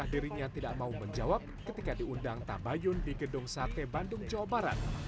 dirinya tidak mau menjawab ketika diundang tabayun di gedung sate bandung jawa barat